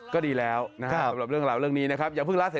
ก็ดีแล้วนะครับ